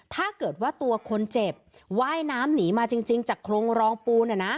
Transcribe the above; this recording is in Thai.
ถ้าเกิดว่าตัวคนเจ็บว่ายน้ำหนีมาจริงจากโครงรองปูน